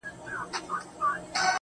پیسې یا شیان ستاسي حق دي